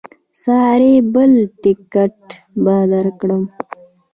ساري بل ټکټ به درکړم.